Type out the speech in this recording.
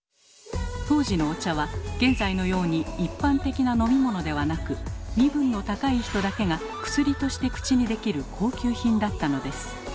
当時のお茶は現在のように一般的な飲み物ではなく身分の高い人だけが薬として口にできる高級品だったのです。